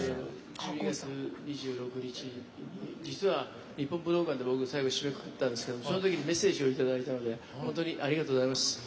１２月２６日に実は日本武道館で僕は締めくくったんですがその時にメッセージをいただいて本当にありがとうございます。